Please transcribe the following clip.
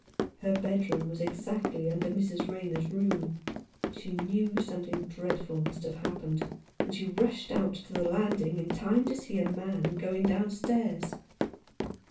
Her bedroom was exactly under Mrs. Rayner's room. She knew something dreadful must have happened ; and she rushed out to the ''landing in time to see a man going downstairs.